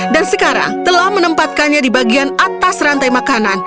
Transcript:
dan sekarang telah menempatkannya di bagian atas rantai makanan